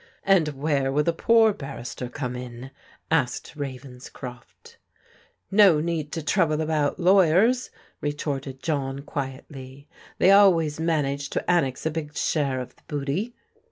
" And where will the poor barrister come in?" asked Ravenscroft. " No need to trouble about lawyers," retorted John quietly ;" they always manage to annex a big share of the booty."